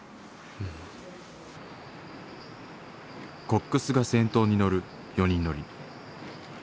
コックスが先頭に乗る４人乗り。